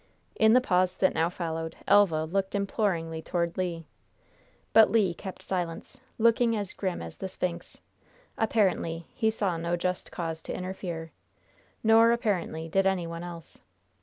'" In the pause that now followed Elva looked imploringly toward Le. But Le kept silence, looking as grim as the Sphinx. Apparently he saw no just cause to interfere; nor, apparently, did any one else.